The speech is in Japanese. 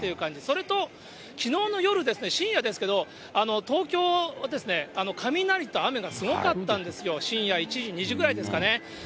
それと、きのうの夜ですね、深夜ですけど、東京ですね、雷と雨がすごかったんですよ、深夜１時、２時ぐらいですかね。